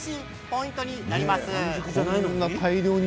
ポイントになります。